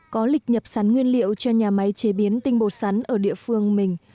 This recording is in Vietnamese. có lịch nhập sắn nguyên liệu cho nhà máy chế biến tinh bột sắn ở địa phương mình